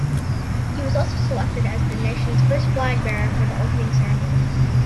She was also selected as the nation's first flag bearer for the opening ceremony.